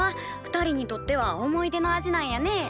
２人にとっては思い出の味なんやね。